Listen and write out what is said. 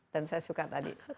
dan saya suka tadi